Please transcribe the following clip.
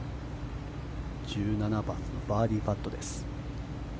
１７番のバーディーパットです。